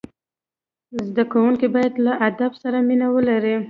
زدهکوونکي باید له ادب سره مینه ولري.